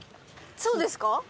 そうですか？